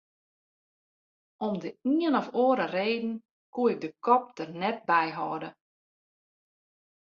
Om de ien of oare reden koe ik de kop der net by hâlde.